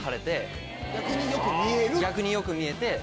逆によく見える。